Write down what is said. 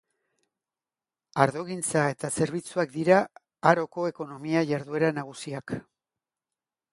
Ardogintza eta zerbitzuak dira Haroko ekonomia jarduera nagusiak.